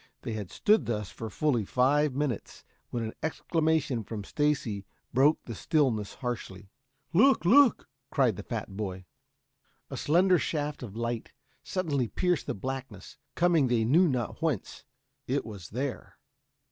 They had stood thus for fully five minutes when an exclamation from Stacy broke the stillness harshly. "Look! Look!" cried the fat boy. A slender shaft of light had suddenly pierced the blackness, coming they knew not whence. It was there.